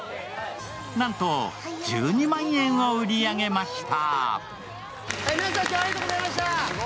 なんと１２万円を売り上げました。